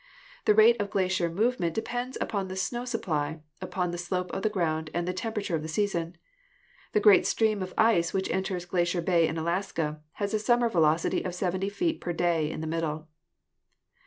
The rate of glacier movement depends upon the snow supply, upon the slope of the ground and the temperature of the season. The great stream of ice which enters Gla cier Bay in Alaska has a summer velocity of seventy feet per day in the middle.